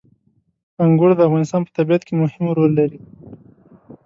انګور د افغانستان په طبیعت کې مهم رول لري.